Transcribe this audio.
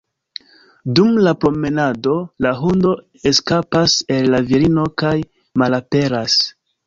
Dum la promenado, la hundo eskapas el la virino kaj malaperas.